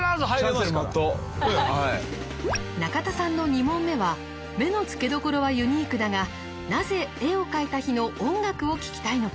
中田さんの２問目は目の付けどころはユニークだがなぜ絵を描いた日の音楽を聴きたいのか？